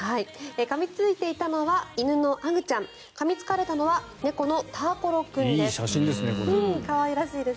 かみついていたのは犬のアグちゃんかみつかれたのは猫のターコロ君です。